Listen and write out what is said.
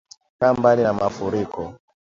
Kaa mbali na Mafuriko